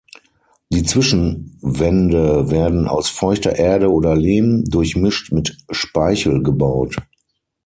Die Zwischenwände werden aus feuchter Erde oder Lehm, durchmischt mit Speichel, gebaut.